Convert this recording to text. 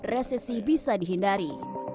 resesi bisa dihindari